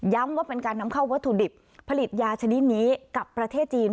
ว่าเป็นการนำเข้าวัตถุดิบผลิตยาชนิดนี้กับประเทศจีน